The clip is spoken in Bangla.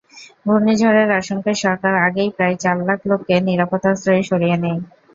ঘূর্ণিঝড়ের আশঙ্কায় সরকার আগেই প্রায় চার লাখ লোককে নিরাপদ আশ্রয়ে সরিয়ে নেয়।